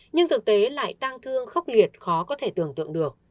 nhưng thực tế lại tang thương khốc liệt khó có thể tưởng tượng được